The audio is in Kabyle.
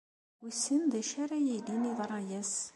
Wissen d acu ara yilin yeḍra-as.